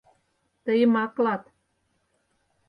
Тыйым аклат.